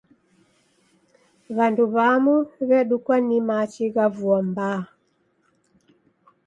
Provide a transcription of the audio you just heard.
W'andu w'amu w'edukwa ni machi gha vua mbaa.